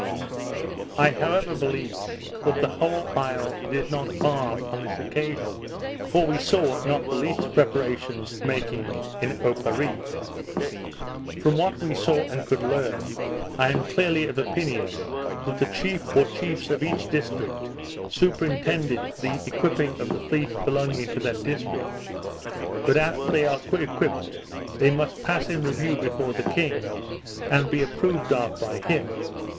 I however believe, that the whole isle did not arm on this occasion; for we saw not the least preparations making in Oparree. From what we saw and could learn, I am clearly of opinion that the chief or chiefs of each district superintended the equipping of the fleet belonging to that district; but after they are equipped, they must pass in review before the king, and be approved of by him.